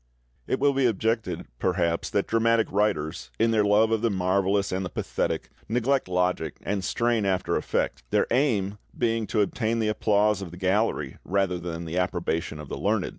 It will, be objected, perhaps, that dramatic writers, in their love of the marvellous and the pathetic, neglect logic and strain after effect, their aim being to obtain the applause of the gallery rather than the approbation of the learned.